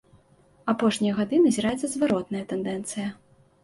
Апошнія гады назіраецца зваротная тэндэнцыя.